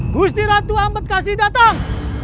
bustiratu ampetkasi datang